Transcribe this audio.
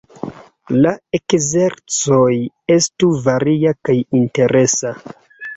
La ekzercoj estu varia kaj interesa.